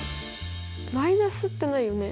マイナスってないよね？